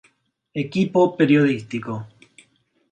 Equipo Periodístico.